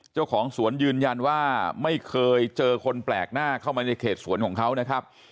เจ้าของสวนยืนยันว่าไม่เคยเจอคนแปลกหน้าเข้ามาในเขตสวนของเขานะครับ